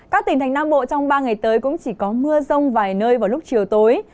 các tỉnh thành nam bộ trong ba ngày tới cũng chỉ có mưa rông vài nơi vào lúc chiều tối